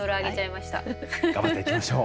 頑張っていきましょう。